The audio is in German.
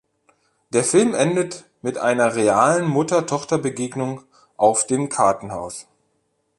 Der Film endet mit einer realen Mutter-Tochter-Begegnung auf dem Kartenhaus.